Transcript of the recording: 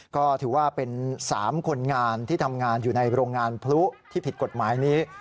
ก็ถือว่าเป็น๓คนงานที่ทำงานอยู่ในโรงงานพลุที่ผิดกฎหมายนี้